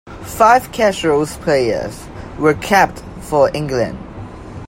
Five Casuals players were capped for England.